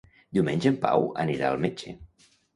Diumenge en Pau anirà al metge.